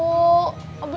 nggak ada apa